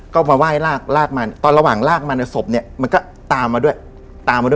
ก็มาไหว้ลากลากมาตอนระหว่างลากมาเนี้ยศพเนี้ยมันก็ตามมาด้วย